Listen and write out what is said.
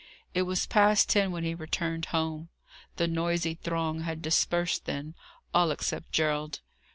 It was past ten when he returned home. The noisy throng had dispersed then, all except Gerald.